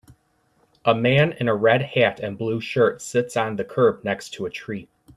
A man in a red hat and blue shirt sits on the curb next to a tree.